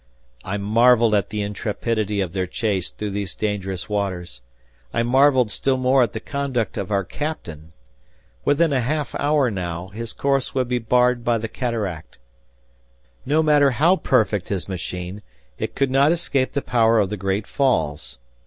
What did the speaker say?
I marveled at the intrepidity of their chase through these dangerous waters. I marveled still more at the conduct of our captain. Within a half hour now, his course would be barred by the cataract. No matter how perfect his machine, it could not escape the power of the great falls.